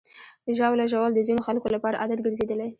ژاوله ژوول د ځینو خلکو لپاره عادت ګرځېدلی.